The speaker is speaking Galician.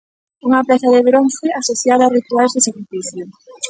Unha peza de bronce asociada a rituais de sacrificio.